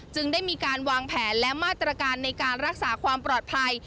ได้มีการวางแผนและมาตรการในการรักษาความปลอดภัย